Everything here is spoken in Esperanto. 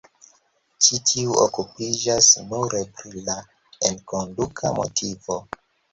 Ĉi tiu okupiĝas nure pri la enkonduka motivo.